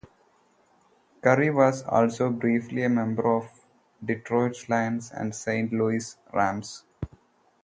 Curry was also briefly a member of the Detroit Lions and Saint Louis Rams.